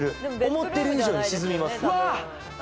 思ってる以上に沈みます。